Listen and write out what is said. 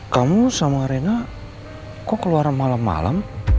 kamu sama rena kok keluar malam malam